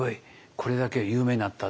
これだけ有名になった」。